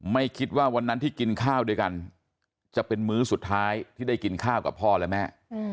ไม่คิดว่าวันนั้นที่กินข้าวด้วยกันจะเป็นมื้อสุดท้ายที่ได้กินข้าวกับพ่อและแม่